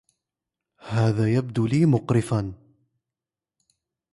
هذا يبدو لي مقرفا.